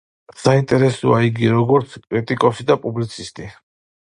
საინტერესოა იგი, როგორც კრიტიკოსი და პუბლიცისტი.